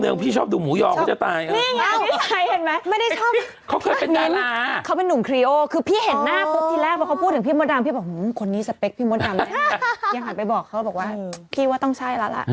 โอ้โหหลอหรือเปล่าหลอเท่าสุดที่สารเนี่ยนะ